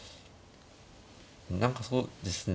何かそうですね